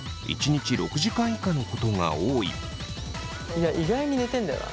いや意外に寝てんだよな。